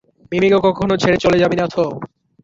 মিমি- কে কখনো ছেড়ে চলে যাবি না তো?